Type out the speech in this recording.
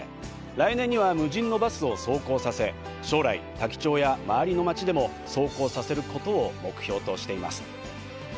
来年には無人のバスを走行させ将来、多気町や周りの町でも走行させることを目標としています。